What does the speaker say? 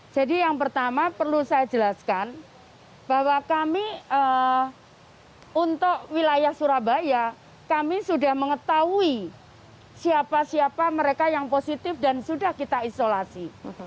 jadi yang pertama perlu saya jelaskan bahwa kami untuk wilayah surabaya kami sudah mengetahui siapa siapa mereka yang positif dan sudah kita isolasi